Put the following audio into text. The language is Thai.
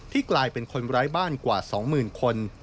ที่กลายเป็นคนไร้บ้านกว่า๒หมื่นคน